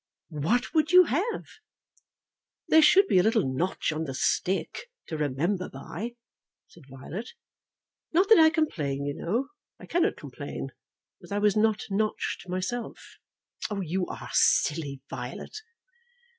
"What would you have?" "There should be a little notch on the stick, to remember by," said Violet. "Not that I complain, you know. I cannot complain, as I was not notched myself." "You are silly, Violet."